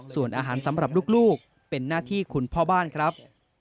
ส่วนอาหารสำหรับลูกเป็นหน้าที่คุณพ่อบ้านครับ